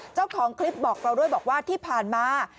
เจ้าของคลิปบอกเราด้วยบอกว่าที่ผ่านมา